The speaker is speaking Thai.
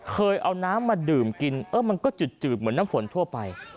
เคยเอาน้ำมาดื่มกินเออมันก็จืดเหมือนน้ำฝนทั่วไป